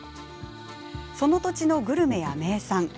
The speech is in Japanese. その土地のグルメや名産。